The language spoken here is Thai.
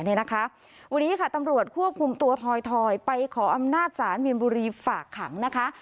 วันนี้ค่ะตำรวจควบคุมตัวทอยไปขออำนาจศาลมีนบุรีฝากขังนะคะ